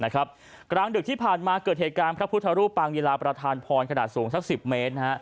กลางดึกที่ผ่านมาเกิดเหตุการณ์พระพุทธรูปปางยีลาประธานพรขนาดสูงสัก๑๐เมตร